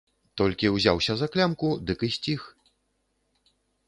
Толькі ўзяўся за клямку, дык і сціх.